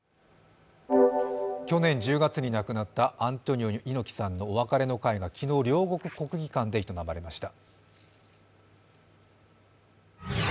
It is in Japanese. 去年１０月に亡くなったアントニオ猪木さんのお別れ会が昨日、両国国技館で営まれました。